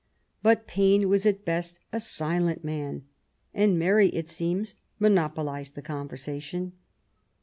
But Paine was at best a silent man ; and Mary, it seems, monopolized the conversation.